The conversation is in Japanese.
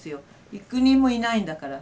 幾人もいないんだから。